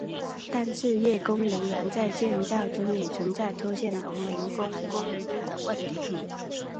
但是叶公陵园在建造中也存在拖欠农民工工资问题。